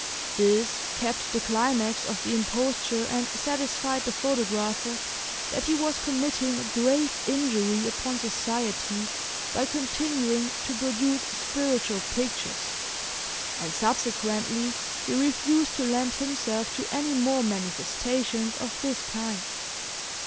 This capped the climax of the imposture and satisfied the photographer that he was committing a grave injury upon society by continuing to produce "spiritual pictures," and subsequently he refused to lend himself to any more "manifestations" of this kind.